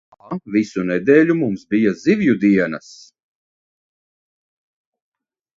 Tā visu nedēļu mums bija zivju dienas.